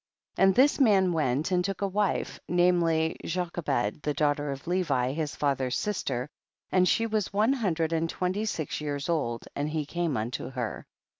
2. And this man went and took a wife, namely Jochebed the daughter of Levi his father's sister, and she was one hundred and twenty six years old, and he came unto her.